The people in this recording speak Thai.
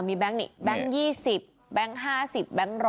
มีแบงค์นี่แบงค์๒๐แบงค์๕๐แบงค์๑๐๐